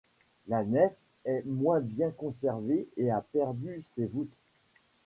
La nef est moins bien conservée et a perdu ses voûtes.